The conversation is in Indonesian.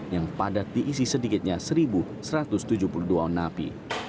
yang padat diisi sedikitnya satu satu ratus tujuh puluh dua on napi